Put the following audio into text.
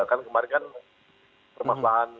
kan kemarin kan permasalahan